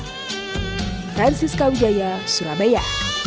francis kawijaya surabaya